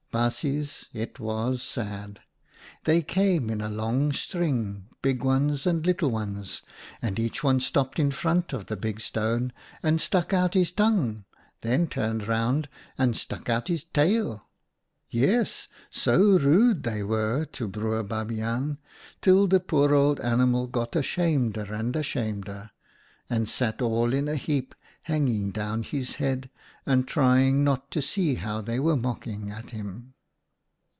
Baasjes, it was sad ! They came in a long string, big ones and little ones, and each one stopped in front of the big stone and stuck out his tongue, then turned round and stuck out his tail — yes, so rude they were to Broer Babiaan, till the poor old animal got ashameder and ashameder, and sat all in a heap, hanging down his head and trying not to see how they were mocking at him.